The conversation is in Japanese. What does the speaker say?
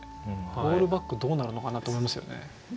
オールバックどうなるのかなって思いますよね。